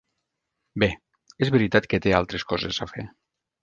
Bé, és veritat que té altres coses a fer.